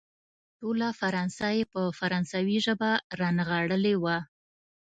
ټوله فرانسه يې په فرانسوي ژبه رانغاړلې وه.